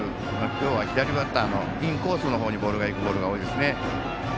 今日は左バッターのインコースのほうにボールがいくボールが多いですね。